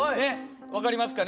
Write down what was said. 分かりますかね？